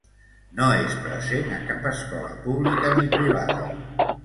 No és present a cap escola pública ni privada.